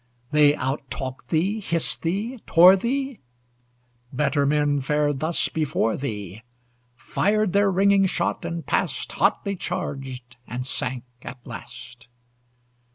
They out talked thee, hissed thee, tore thee? Better men fared thus before thee; Fired their ringing shot and passed, Hotly charged and sank at last.